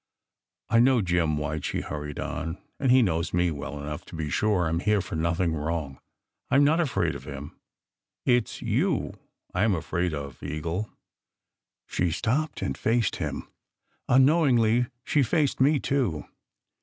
"I know Jim White," she hurried on, "and he knows me well enough to be sure I m here for nothing wrong! I m not afraid of him. It s you I m afraid of, Eagle!" She stopped, and faced him. Unknowingly she faced me, too.